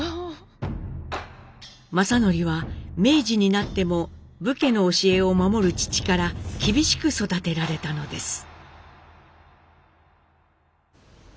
正徳は明治になっても武家の教えを守る父から厳しく育てられたのです。